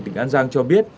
tỉnh an giang cho biết